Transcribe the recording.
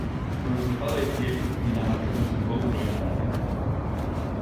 Polo Tratado de Kiel Dinamarca conservou Groenlandia.